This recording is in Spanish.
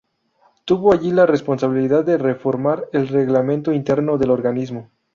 Tuvo allí la responsabilidad de reformular el reglamento interno del organismo.